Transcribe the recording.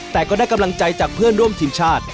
แต่ก็ได้กำลังใจจากเพื่อนร่วมทีมชาติ